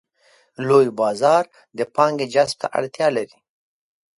لوی بازار د پانګې جذب ته اړتیا لري.